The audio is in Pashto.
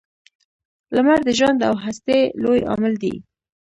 • لمر د ژوند او هستۍ لوی عامل و.